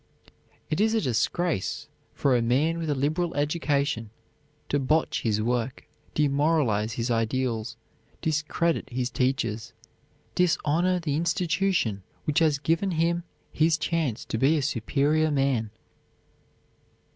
It is a disgrace for a man with a liberal education to botch his work, demoralize his ideals, discredit his teachers, dishonor the institution which has given him his chance to be a superior man.